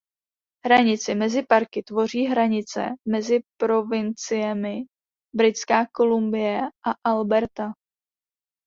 Hranici mezi parky tvoří hranice mezi provinciemi Britská Kolumbie a Alberta.